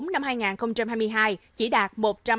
năm hai nghìn hai mươi hai chỉ đạt